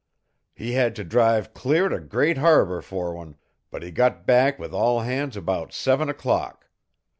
"He had to drive clear to Great Harbor for one, but he got back with all hands about seven o'clock.